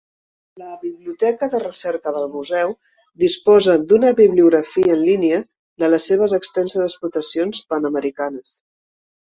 La biblioteca de recerca del Museu disposa d'una bibliografia en línia de les seves extenses explotacions Panamericanes.